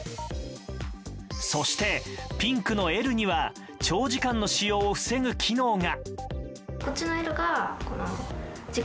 そして、ピンクのエルには長時間の使用を防ぐ機能が。